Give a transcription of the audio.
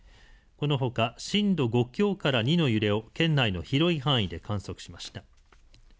このほか震度５強から２の揺れを県内の広い範囲で観測しました。